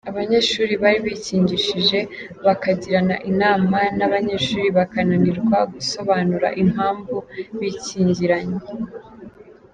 abanyeshuri bari bakingishije, bakagirana inama n’ abanyeshuri bakananirwa gusobanura impamvu bikingiranye.